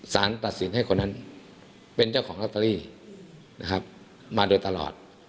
ศาลตัดสินให้คนนั้นเป็นเจ้าของรัตตารี่มาโดยตลอด